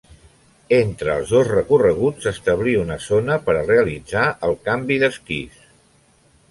Entre els dos recorreguts s'establí una zona per a realitzar el canvi d'esquís.